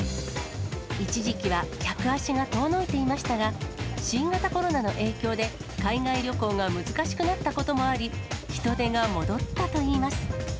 一時期は、客足が遠のいていましたが、新型コロナの影響で、海外旅行が難しくなったこともあり、人出が戻ったといいます。